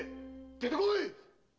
出てこいっ‼